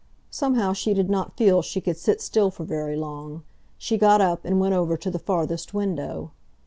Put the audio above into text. Somehow she did not feel she could sit still for very long. She got up, and went over to the farthest window.